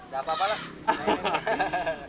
gak apa apa lah